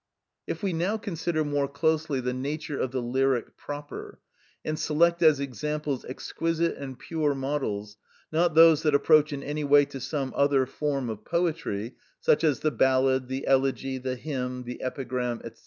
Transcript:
If we now consider more closely the nature of the lyric proper, and select as examples exquisite and pure models, not those that approach in any way to some other form of poetry, such as the ballad, the elegy, the hymn, the epigram, &c.